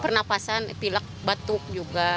penafasan pilak batuk juga